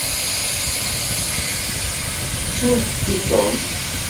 Surfet i Tom.